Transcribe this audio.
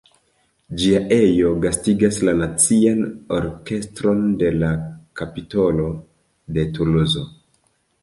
Ĝia ejo gastigas la Nacian orkestron de la Kapitolo de Tuluzo.